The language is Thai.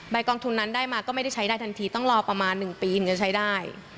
กองทุนนั้นได้มาก็ไม่ได้ใช้ได้ทันทีต้องรอประมาณ๑ปีถึงจะใช้ได้